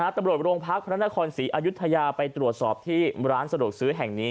ตำรวจโรงพักพระนครศรีอายุทยาไปตรวจสอบที่ร้านสะดวกซื้อแห่งนี้